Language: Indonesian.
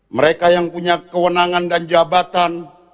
mereka yang punya kewenangan dan jabatan